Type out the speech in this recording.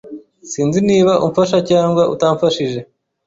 Sinzi niba umfasha cyangwa utamfashije.